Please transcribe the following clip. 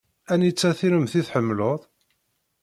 Anita tiremt i tḥemmleḍ?